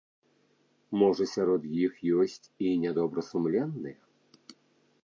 Можа сярод іх ёсць і нядобрасумленныя?